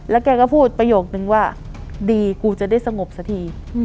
แกก็พูดประโยคนึงว่าดีกูจะได้สงบสักที